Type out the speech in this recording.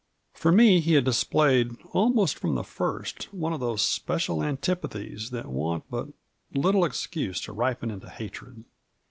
For me he had displayed, almost from the first, one of those special antipathies that want but little excuse to ripen into hatred.